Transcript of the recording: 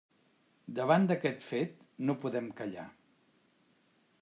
Davant d'aquest fet no podem callar.